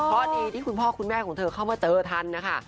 เพราะดีที่คุณพ่อคุณแม่ของเธอเข้ามาเจอทันนะคะ